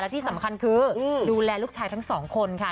ที่สำคัญคือดูแลลูกชายทั้งสองคนค่ะ